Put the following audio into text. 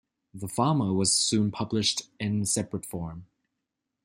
The "Fama" was soon published in separate form.